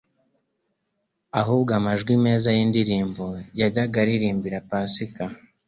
ahubwo amajwi meza y'indirimbo yajyaga aririmbwa kuri Pasika